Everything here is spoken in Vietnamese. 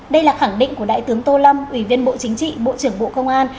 đây là khẳng định của đại tướng tô lâm ủy viên bộ chính trị bộ trưởng bộ công an